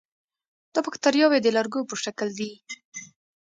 دا باکتریاوې د لرګو په شکل دي.